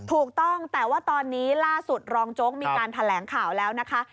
ถูกต้องแต่ว่าตอนนี้ล่าสุดรองโจ๊กมีการแถลงข่าวแล้วนะคะ